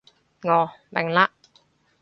哦，明嘞